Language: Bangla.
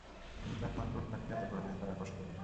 কিন্তু, একমাত্র উটপাখিই এত বড় ডিম পাড়ার কষ্টটা বোঝে।